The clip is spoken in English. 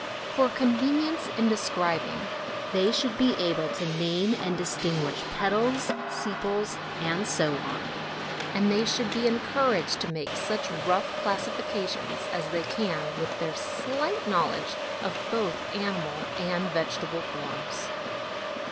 For con venience in describing they should be able to name and distinguish petals, sepals, and so on ; and they should be encouraged to make such rough classifica tions as they can with their slight knowledge of both animal and vegetable forms.